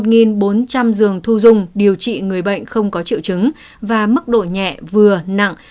một bốn trăm linh giường thu dùng điều trị người bệnh không có triệu chứng và mức độ nhẹ vừa nặng